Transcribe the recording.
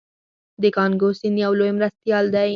د کانګو سیند یو لوی مرستیال دی.